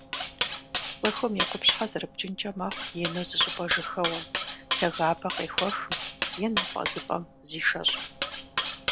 Цӏыхум и къупщхьэ зэрыпкӏынкӏэ мэхъу ину зыщӏыпӏэ жьэхэуэм, лъагапӏэ къехуэхым е напӏэзыпӏэм зишэщӏым.